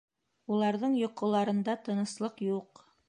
Уларҙың йоҡоларында тыныслыҡ юҡ.